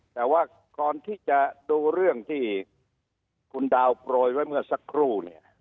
แต่ว่าก่อนที่จะดูเรื่องที่คุณดาวโปรยไว้เมื่อสักครู่เนี่ย